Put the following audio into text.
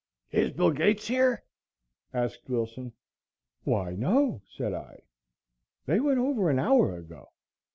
"Is Bill Gates here?" asked Wilson. "Why, no," said I. "They went over an hour ago."